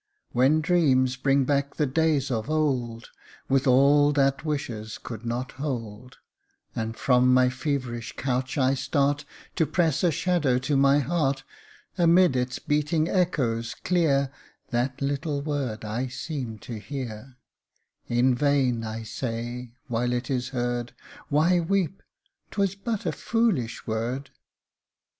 When dreams bring back the days of old, With all that wishes could not hold ; And from my feverish couch I start To press a shadow to my heart Amid its beating echoes, clear That little word I seem to hear : In vain I say, while it is heard, Why weep ? 'twas but a foolish word.